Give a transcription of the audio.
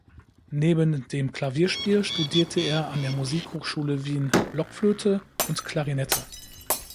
Neben dem Klavierspiel studierte er an der Musikhochschule Wien Blockflöte und Klarinette.